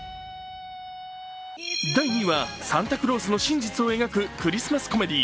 第２位は、サンタクロースの真実を描くクリスマスコメディー